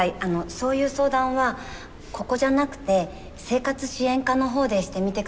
そういう相談はここじゃなくて生活支援課のほうでしてみて下さい。